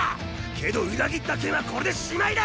けど裏切った件はこれで終いだ！